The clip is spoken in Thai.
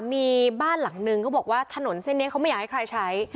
มีบ้านหลังนึงเขาบอกว่าถนนเส้นนี้เขาไม่อยากให้ใครใช้